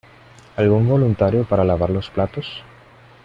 ¿Algún voluntario para lavar los platos?